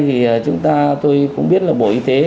thì chúng ta tôi cũng biết là bộ y tế